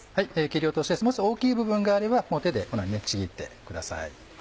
切り落としですもし大きい部分があれば手でこのようにちぎってください。